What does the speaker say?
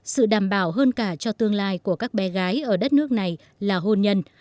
sự đảm bảo hơn cả cho tương lai của các bé gái ở đất nước này là hôn nhân